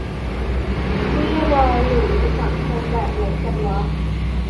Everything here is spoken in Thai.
นี่เราอยู่ในสังคมแบบไหนกันวะ